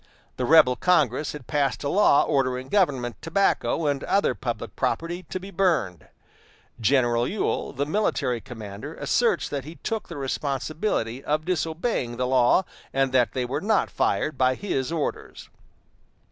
The rebel Congress had passed a law ordering government tobacco and other public property to be burned. General Ewell, the military commander, asserts that he took the responsibility of disobeying the law, and that they were not fired by his orders.